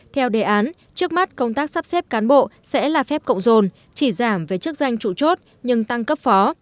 theo đề án trước mắt công tác sắp xếp cán bộ sẽ là phép cộng dồn chỉ giảm về chức danh trụ chốt nhưng tăng cấp phó